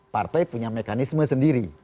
partai punya mekanisme sendiri